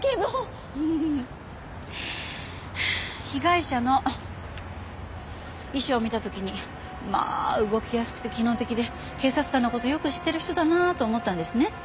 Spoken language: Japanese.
被害者の衣装を見た時にまあ動きやすくて機能的で警察官の事よく知ってる人だなと思ったんですね。